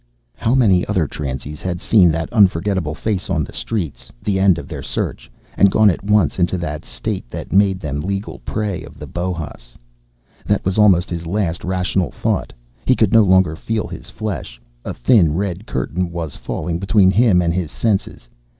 How many other transies had seen that unforgettable face on the streets, the end of their search, and gone at once into that state that made them legal prey of the Bohas? That was almost his last rational thought. He could no longer feel his flesh. A thin red curtain was falling between him and his senses.